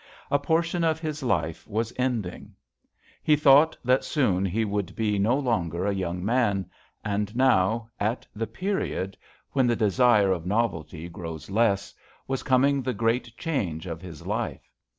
A portion of his life was ending. He thought that soon he would be no longer a young man, and now, at the period when the 86 JOHN SHERMAN. desire of novelty grows less, was coming the great change of his life.